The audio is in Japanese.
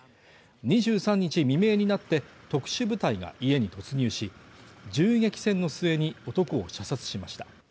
２３日未明になって特殊部隊が家に突入し、銃撃戦の末に男を射殺しました。